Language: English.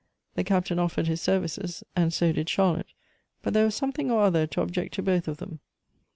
The Captain offered his services, and so did Charlotte, but there was something or other to object to both of them.